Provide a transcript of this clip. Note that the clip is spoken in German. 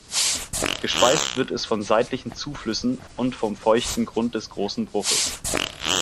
Gespeist wird es von seitlichen Zuflüssen und vom feuchten Grund des Großen Bruches.